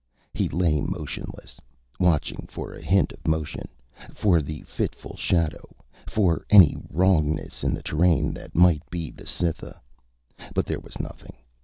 He lay motionless, watching for a hint of motion, for the fitful shadow, for any wrongness in the terrain that might be the Cytha. But there was nothing.